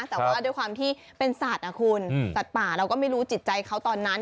แต่ว่าด้วยความที่เป็นสัตว์นะคุณสัตว์ป่าเราก็ไม่รู้จิตใจเขาตอนนั้น